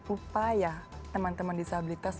upaya teman teman disabilitas